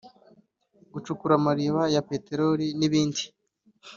gucukura amariba ya peteroli n’ibindi